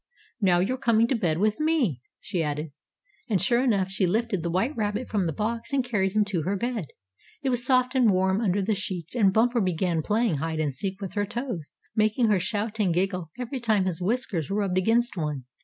"Now you're coming to bed with me," she added. And sure enough, she lifted the white rabbit from the box and carried him to her bed. It was soft and warm under the sheets, and Bumper began playing hide and seek with her toes, making her shout and giggle every time his whiskers rubbed against one.